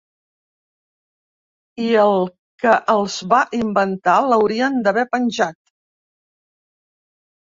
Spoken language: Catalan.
I el que els va inventar l'haurien d'haver penjat.